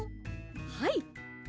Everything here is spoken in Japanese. はい。